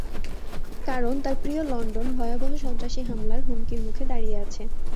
কারণ তার প্রিয় লন্ডন ভয়াবহ সন্ত্রাসী হামলার হুমকির মুখে দাঁড়িয়ে আছে।